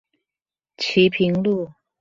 旗屏路